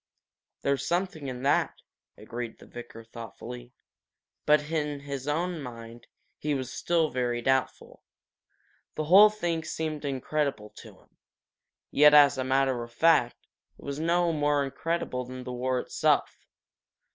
"There's something in that," agreed the vicar, thoughtfully. But in his own mind he was still very doubtful. The whole thing seemed incredible to him. Yet, as a matter of fact, it was no more incredible than the war itself.